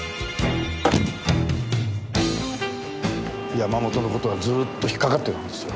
山本の事はずっと引っかかってたんですよ。